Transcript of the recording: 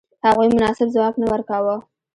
هغوی مناسب ځواب نه ورکاوه.